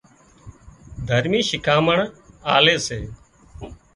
دهرمِي شِکامڻ آلي سي